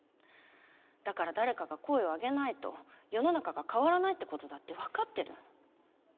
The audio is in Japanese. だから、誰かが声を上げないと世の中が変わらないってことだって、分かってる。